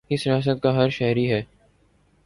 اس ریاست کا ہر شہری ہے